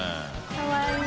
かわいい。